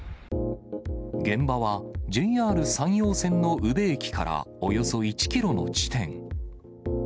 現場はＪＲ山陽線の宇部駅からおよそ１キロの地点。